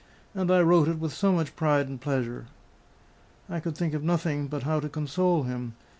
And I wrote it with so much pride and pleasure!" I could think of nothing but how to console him.